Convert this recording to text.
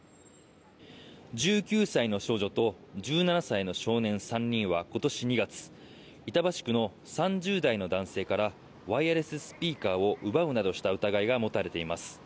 １９歳の少女と１７歳の少年３人は今年２月板橋区の３０代の男性からワイヤレススピーカーを奪うなどした疑いが持たれています。